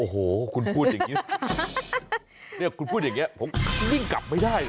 โอ้โหคุณพูดอย่างนี้ผมยิ่งกลับไม่ได้